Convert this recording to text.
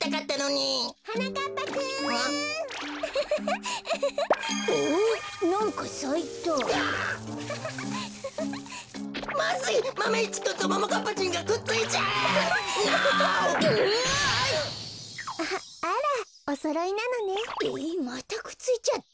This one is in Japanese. えっまたくっついちゃった！？